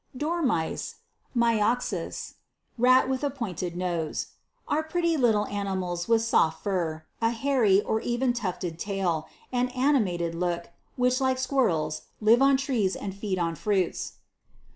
29. DORMICE, Myoxvs, (rat with a pointed nose,) are pretty little animals with soft fur, a hairy, or even tufted tail, and ani mated look, which, like squirrels, live on trees and feed on fruits.